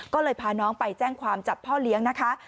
ก็เลยพาน้องไปแจ้งความจับพ่อเลี้ยงนะคะ